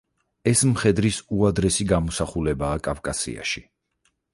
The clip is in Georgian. ეს მხედრის უადრესი გამოსახულებაა კავკასიაში.